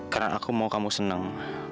karena aku mau kamu seneng